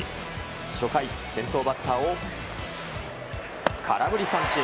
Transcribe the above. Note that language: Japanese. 初回、先頭バッターを空振り三振。